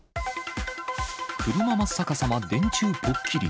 車真っ逆さま、電柱ぽっきり。